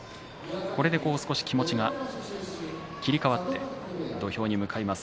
これで少し気持ちが切り替わって土俵に向かいます